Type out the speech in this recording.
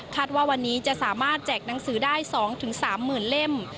ว่าวันนี้จะสามารถแจกหนังสือได้๒๓๐๐๐เล่ม